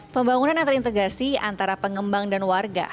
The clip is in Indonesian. pembangunan antar integrasi antara pengembang dan warga